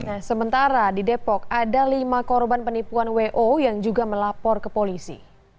nah sementara di depok ada lima korban penipuan wo yang juga melapor ke polisi